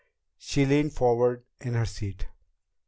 She leaned forward in her seat.